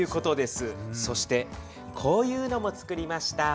そしてこういうのもつくりました。